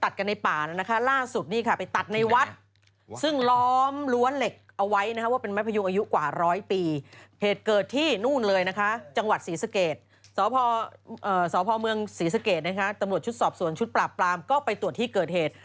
สพมศรีสเกตตำรวจชุตสอบอผลชุทประปรามก็ไปตรวจที่เกิดเหตุ